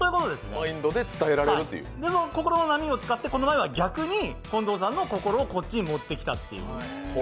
心の波を使って、この前は逆に近藤さんの心をこっちに持ってきたと。